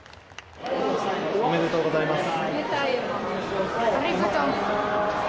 おめでとうございます。